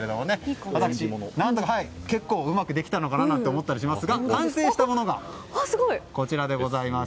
私、結構うまくできたのかなと思いますが完成したものがこちらでございます。